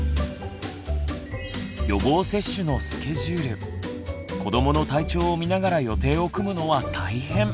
予防接種のスケジュール子どもの体調を見ながら予定を組むのは大変。